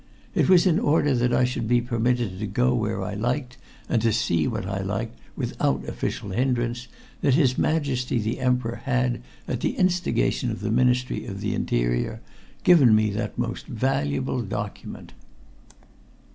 It was in order that I should be permitted to go where I liked, and to see what I liked without official hindrance, that his Majesty the Emperor had, at the instigation of the Ministry of the Interior, given me that most valuable document.